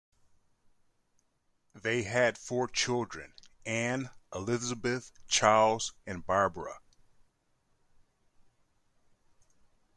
They had four children: Anne, Elizabeth, Charles, and Barbara.